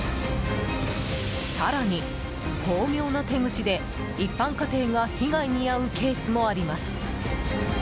更に、巧妙な手口で一般家庭が被害に遭うケースもあります。